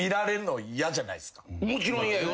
もちろん嫌よ。